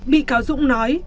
bị cáo dũng nói